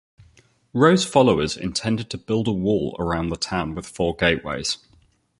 Wroe's followers intended to build a wall around the town with four gateways.